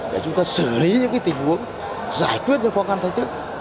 để chúng ta xử lý những tình huống giải quyết những khó khăn thay tức